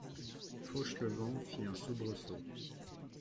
Fauchelevent fit un soubresaut.